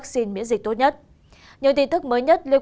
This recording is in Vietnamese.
xin kính chào và hẹn gặp lại